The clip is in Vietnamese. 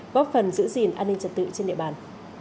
góp phần giữ gìn an ninh trật tự trên địa bàn